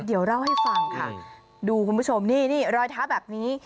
เดี๋ยวเล่าให้ฟังค่ะดูคุณผู้ชมนี่นี่รอยเท้าแบบนี้